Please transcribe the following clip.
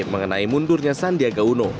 mengenai mundurnya sandiaguno